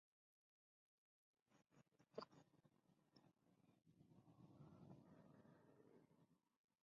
These were also his last games in the minor grade.